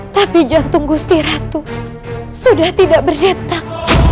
tapi jantung gusti ratu sudah tidak berdetak